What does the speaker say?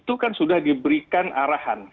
mungkin juga kepada atau bahkan yang ke depan